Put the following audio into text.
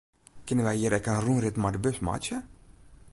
Kinne wy hjir ek in rûnrit mei de bus meitsje?